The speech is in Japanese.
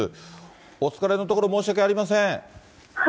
お疲れのところ申し訳ありません。